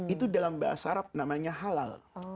itu dalam bahasa arab namanya halal